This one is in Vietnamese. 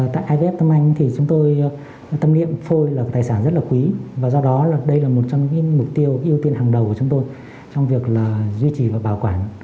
tại ivf tâm anh thì chúng tôi tâm niệm phôi là tài sản rất là quý và do đó đây là một trong những mục tiêu ưu tiên hàng đầu của chúng tôi trong việc là duy trì và bảo quản